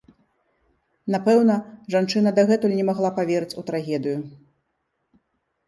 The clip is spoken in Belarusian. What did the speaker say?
Напэўна, жанчына дагэтуль не магла паверыць у трагедыю.